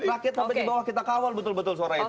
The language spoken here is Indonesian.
rakyat sampai di bawah kita kawal betul betul suara itu